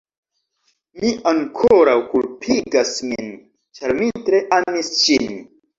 Mi ankoraŭ kulpigas min, ĉar mi tre amis ŝin.